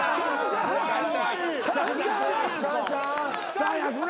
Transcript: さあ安村。